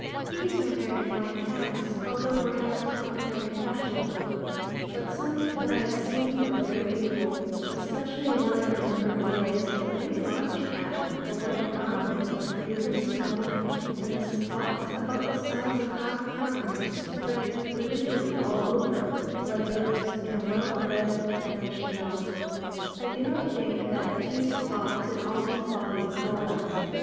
These are very fine cats, although, perhaps not very fashionable, but some that I have seen were very beautiful; especially one I remember in Wales, a very large cat, the white ground was like the driven snow, and the spots about the size of half crowns, spread prodigally all over, like those in a well bred Dalmatian dog; I do not think that two spots in all his body coalesced.